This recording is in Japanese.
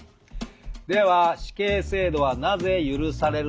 「では死刑制度はなぜ許されるのでしょうか？」。